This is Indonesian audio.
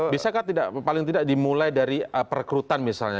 bisakah tidak paling tidak dimulai dari perekrutan misalnya